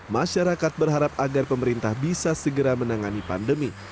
masyarakat berharap agar pemerintah bisa segera menangani pandemi